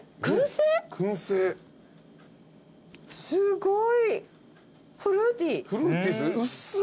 すごい！